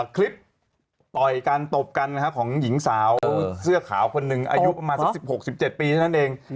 คลิปต่อยกันตบกันของหญิงสาวเสื้อขาวคนหนึ่งอายุประมาณสัก๑๖๑๗ปีเท่านั้นเอง